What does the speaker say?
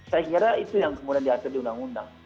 saya kira itu yang kemudian diatur di undang undang